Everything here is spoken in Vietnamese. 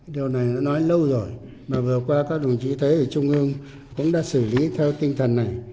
điều này đã nói lâu rồi mà vừa qua các đồng chí thấy ở trung ương cũng đã xử lý theo tinh thần này